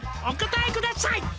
お答えください」